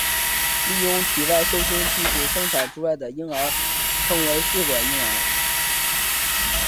利用体外受精技术生产出来的婴儿称为试管婴儿。